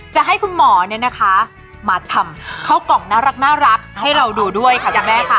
จะให้คุณหมอมาทำเข้ากล่องน่ารักให้เราดูด้วยค่ะพี่แม่ค่ะ